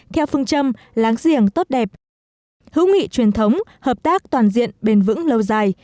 theo phương châm láng giềng tốt đẹp hữu nghị truyền thống hợp tác toàn diện bền vững lâu dài